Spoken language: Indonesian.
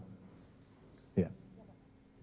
cukup saya gak tahu di daerah lain